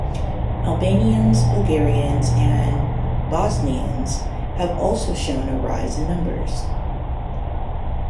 Albanians, Bulgarians, and Bosnians have also shown a rise in numbers.